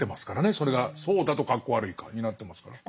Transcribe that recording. それがそうだと格好悪いか。になってますからね。